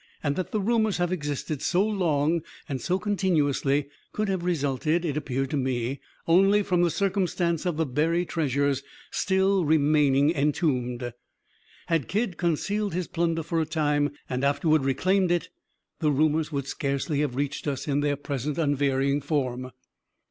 And that the rumors have existed so long and so continuously, could have resulted, it appeared to me, only from the circumstance of the buried treasures still remaining entombed. Had Kidd concealed his plunder for a time, and afterward reclaimed it, the rumors would scarcely have reached us in their present unvarying form.